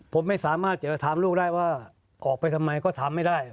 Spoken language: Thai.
ผมไม่สามารถจะถามลูกได้ว่าออกไปทำไมก็ทำไม่ได้